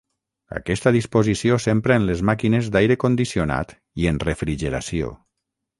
Aquesta disposició s'empra en les màquines d'aire condicionat i en refrigeració.